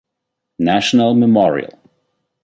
National Memorial.